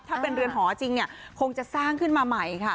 ถ้าเป็นเรือนหอจริงเนี่ยคงจะสร้างขึ้นมาใหม่ค่ะ